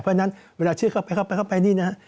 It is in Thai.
เพราะฉะนั้นเวลาเชื่อกันเข้าไปนี่นะครับ